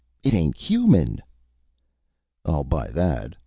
"It ain't human." "I'll buy that.